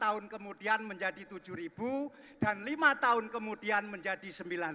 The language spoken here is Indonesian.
tahun kemudian menjadi tujuh ribu dan lima tahun kemudian menjadi sembilan puluh